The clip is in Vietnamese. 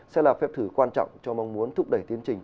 sẽ là phép thử quan trọng cho mong muốn thúc đẩy tiến trình